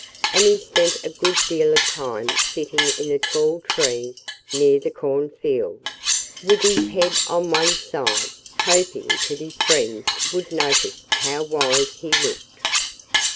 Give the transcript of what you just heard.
And he spent a good deal of time sitting in a tall tree near the cornfield, with his head on one side, hoping that his friends would notice how wise he looked.